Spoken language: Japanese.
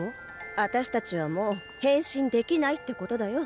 あたしたちはもう変身できないってことだよ。